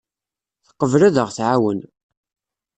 Teqbel ad aɣ-tɛawen.